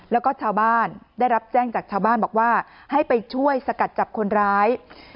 แล้วก็ชาวบ้านได้รับแจ้งจากชาวบ้านบอกว่าให้ไปช่วยสกัดจับคนร้าย